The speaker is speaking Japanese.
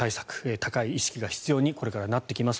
高い意識が必要にこれからなってきます。